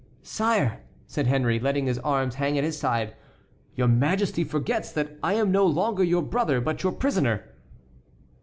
"Sire," said Henry, letting his arms hang at his side, "your Majesty forgets that I am no longer your brother but your prisoner."